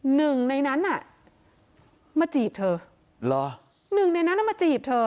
หนึ่งในนั้นน่ะมาจีบเธอเหรอหนึ่งในนั้นมาจีบเธอ